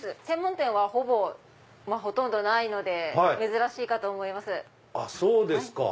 専門店はほとんどないので珍しいかと思います。